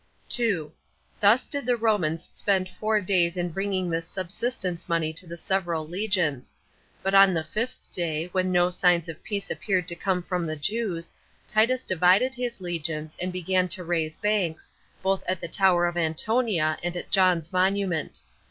2. Thus did the Romans spend four days in bringing this subsistence money to the several legions. But on the fifth day, when no signs of peace appeared to come from the Jews, Titus divided his legions, and began to raise banks, both at the tower of Antonia and at John's monument.